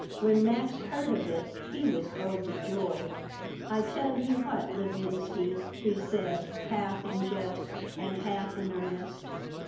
When Max heard of it he was overjoyed "I tell you what, Levinsky," he said, half in jest and half in earnest.